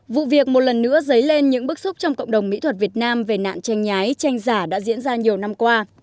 vụ việc một lần nữa giấy lên những bức xúc trong cộng đồng mỹ thuật việt nam về nạn tranh nhái tranh giả đã diễn ra nhiều năm qua